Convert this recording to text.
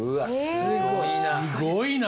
すごいな。